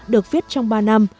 được viết trong ba năm